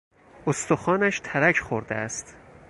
استخوانش ترک خورده است.